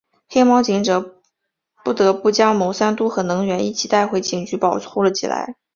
黑猫警长不得不将牟三嘟和能源一起带回警局保护了起来。